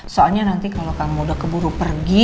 soalnya nanti kalau kamu udah keburu pergi